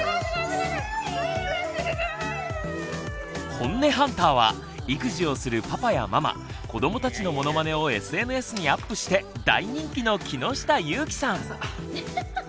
ホンネハンターは育児をするパパやママ子どもたちのモノマネをＳＮＳにアップして大人気の木下ゆーきさん。